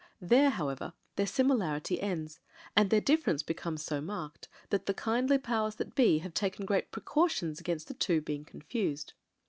There, however, their similarity ends ; and their difference beccMnes so marked that the kindly powers that be have taken great precautions against the two being confused.